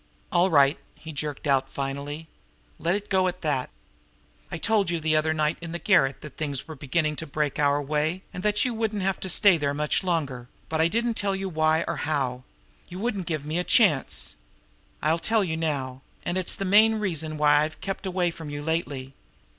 "All right!" he jerked out finally. "Let it go at that! I told you the other night in the garret that things were beginning to break our way, and that you wouldn't have to stay there much longer, but I didn't tell you how or why you wouldn't give me a chance. I'll tell you now; and it's the main reason why I've kept away from you lately.